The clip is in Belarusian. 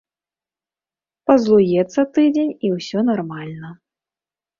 Пазлуецца тыдзень, і ўсё нармальна.